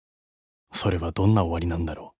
［それはどんな終わりなんだろう？］